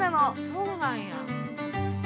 そうなんや。